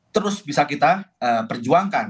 terus bisa kita perjuangkan